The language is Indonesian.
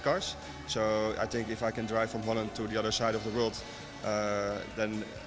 jadi saya pikir jika saya bisa berjalan dari belanda ke bagian lain dunia